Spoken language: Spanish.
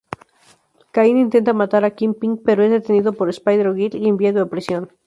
Kaine intenta matar a Kingpin, pero es detenido por Spider-Girl y enviado a prisión.